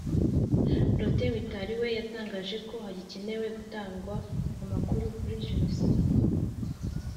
Protais Mitari we yatangaje ko hagikenewe gutangwa amakuru kuri Jenoside